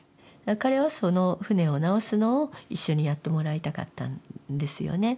彼はその船を直すのを一緒にやってもらいたかったんですよね。